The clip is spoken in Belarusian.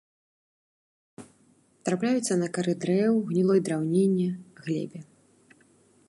Трапляюцца на кары дрэў, гнілой драўніне, глебе.